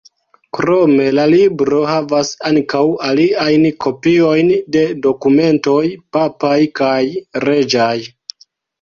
Krome la libro havas ankaŭ aliajn kopiojn de dokumentoj papaj kaj reĝaj.